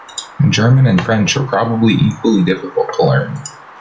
German and French are probably equally difficult to learn.